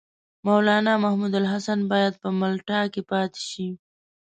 مولنا محمودالحسن باید په مالټا کې پاته شي.